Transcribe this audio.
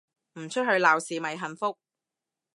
唔出去鬧事咪幸福